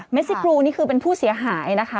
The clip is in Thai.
ซิครูนี่คือเป็นผู้เสียหายนะคะ